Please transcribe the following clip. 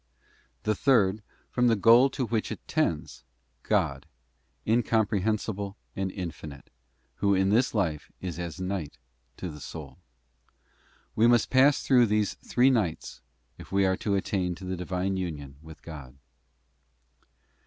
The third, from the goal to which it tends, God, incomprehensible and infinite, Who in this life is as night to the soul. We must pass through these three nights if we are to attain to the Divine union with God.